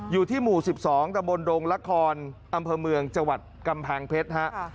อยู่ที่หมู่๑๒ตะบนดงละครอำเภอเมืองจังหวัดกำแพงเพชรฮะ